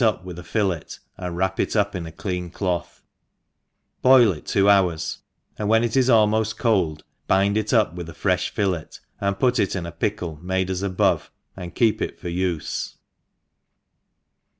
up with a.fillet, and 6 wrap ENGLISH HOUSE KEEPER. 301 wrap it up in a clean cloth, boil it two hours, and when it is almoft cold, bind it up with a freOi fillet, and put it in a pickle made as above, and keep it for ufe.